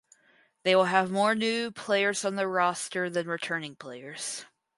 They will have more new players on their roster than returning players.